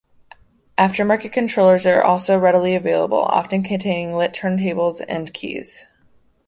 Aftermarket controllers are also readily available, often containing lit turntables and keys.